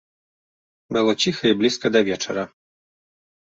Было ціха і блізка да вечара.